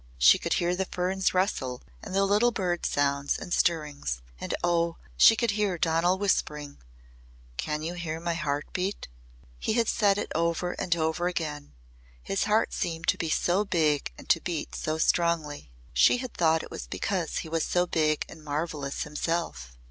She could hear the ferns rustle and the little bird sounds and stirrings. And oh! she could hear Donal whispering. "Can you hear my heart beat?" He had said it over and over again. His heart seemed to be so big and to beat so strongly. She had thought it was because he was so big and marvellous himself.